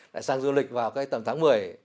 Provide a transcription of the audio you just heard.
lại sang du lịch vào cái tầm tháng một mươi